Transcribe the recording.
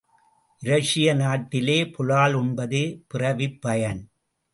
இரஷிய நாட்டிலே புலால் உண்பதே பிறவிப்பயன்!